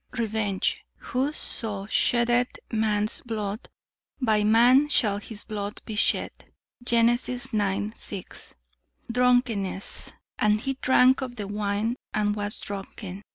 "Revenge. 'Whoso sheddeth man's blood, by man shall his blood be shed.' Gen. ix, 6. "Drunkenness. 'And he drank of the wine, and was drunken.'